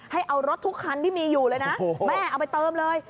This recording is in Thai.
ให้เอารถทุกคันที่มีอยู่เลยนะแม่เอาไปเติมเลย